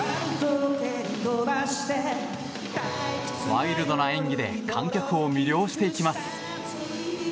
ワイルドな演技で観客を魅了していきます。